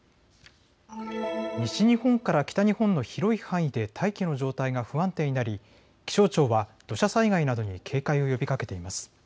西日本から北日本の広い範囲で大気の状態が不安定になり気象庁は土砂災害などに警戒を呼びかけています。